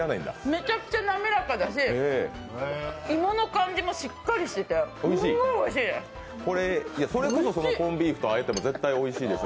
めちゃくちゃなめらかだし芋の感じもしっかりしててすんごいおいしいです。